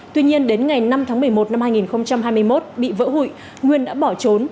tuy nhiên đến ngày năm tháng một mươi một năm hai nghìn hai mươi một bị vỡ hụi nguyên đã bỏ trốn